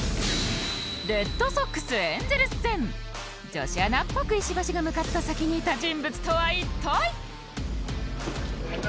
女子アナっぽく石橋が向かった先にいた人物とは一体？